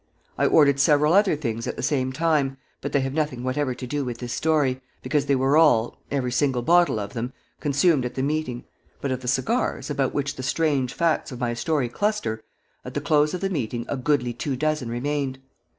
I ordered several other things at the same time, but they have nothing whatever to do with this story, because they were all every single bottle of them consumed at the meeting; but of the cigars, about which the strange facts of my story cluster, at the close of the meeting a goodly two dozen remained.